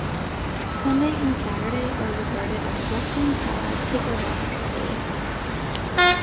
Sunday and Saturday are regarded as "Western style take-a-rest days".